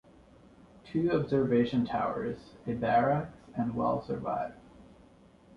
Two observation towers, a barracks and well survive.